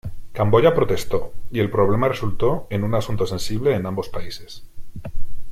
Camboya protestó, y el problema resultó en un asunto sensible en ambos países.